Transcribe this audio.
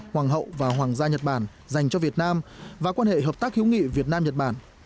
hoàng hậu và hoàng gia nhật bản dành cho việt nam và quan hệ hợp tác hiếu nghị việt nam nhật bản